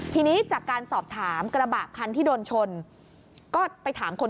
ทีนี้จากการสอบถามกระบะคันที่โดนชน